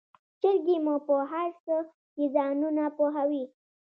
چرګې مو په هرڅه کې ځانونه پوهوي.